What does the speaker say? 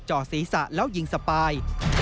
ศีรษะแล้วยิงสปาย